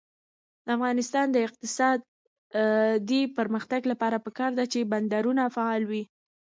د افغانستان د اقتصادي پرمختګ لپاره پکار ده چې بندرونه فعال وي.